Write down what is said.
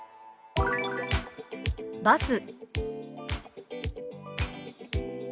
「バス」。